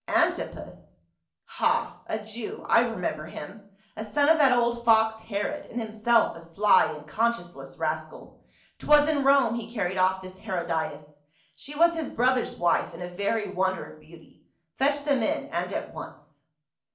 " Antipas ? Ha, a Jew, I remember him ; a son of that old fox Herod, and himself a sly and conscience less rascal. 'Twas in Rome he carried off this Hero dias ; she was his brother's wife and a very wonder of beauty. Fetch them in and at once."